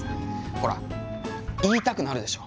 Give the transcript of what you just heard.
ほら言いたくなるでしょ。